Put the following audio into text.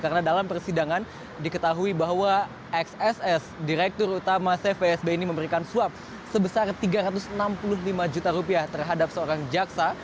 karena dalam persidangan diketahui bahwa xss direktur utama cvsb ini memberikan suap sebesar rp tiga ratus enam puluh lima juta terhadap seorang jaksa